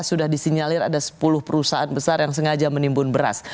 sudah disinyalir ada sepuluh perusahaan besar yang sengaja menimbun beras